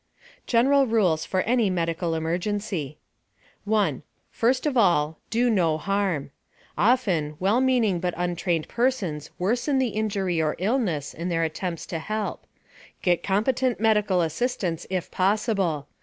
GENERAL RULES FOR ANY MEDICAL EMERGENCY 1. First of all, do no harm. Often, well meaning but untrained persons worsen the injury or illness in their attempts to help. Get competent medical assistance, if possible.